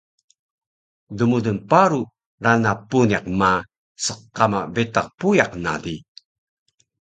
dmudul paru rana puniq ma sqama betaq puyaq na di